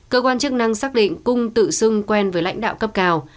cơ quan chức năng xác định cung tự xưng quen với lãnh đạo cấp cao